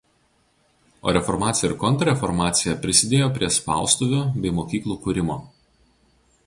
O Reformacija ir Kontrreformacija prisidėjo prie spaustuvių bei mokyklų kūrimo.